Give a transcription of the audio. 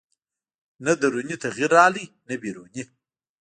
نه دروني تغییر راغی نه بیروني